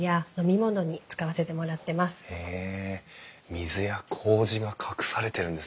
水やこうじが隠されてるんですね。